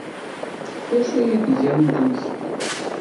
D acu ay d-gant d imekli?